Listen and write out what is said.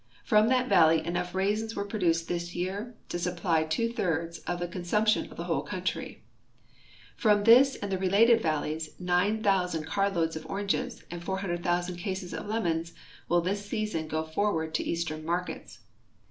From that valley enough raisins were ])roduced this year to supply two thirds of the con sumption of the whole country. From this and the related val leys 9,000 carloads of oranges and 400,000 cases of lemons will this season go forward to Eastern markets.